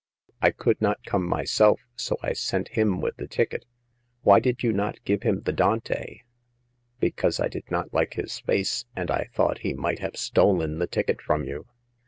I could not come myself, so I sent him with the ticket. Why did you not give him the Dante ?"Because I did not like his face, and I thought he might have stolen the ticket from you.